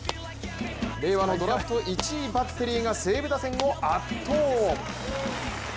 令和のドラフト１位バッテリーが西武打線を圧倒。